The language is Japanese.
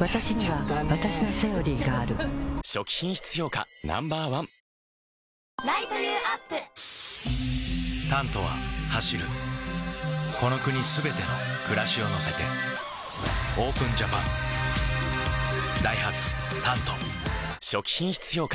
わたしにはわたしの「セオリー」がある初期品質評価Ｎｏ．１「タント」は走るこの国すべての暮らしを乗せてＯＰＥＮＪＡＰＡＮダイハツ「タント」初期品質評価